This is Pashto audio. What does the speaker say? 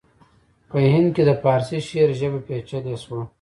په هند کې د پارسي شعر ژبه پیچلې شوه